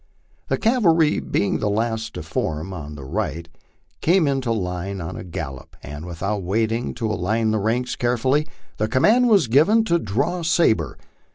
The cavalry, being the last to form on the right, came into line on a gallop, and, without waiting to align the ranks carefully, the command was given to " draw sabre."